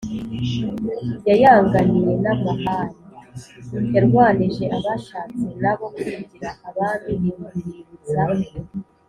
yayanganiye n’amahari: yarwanije abashatse na bo kwigira abami ibi biributsa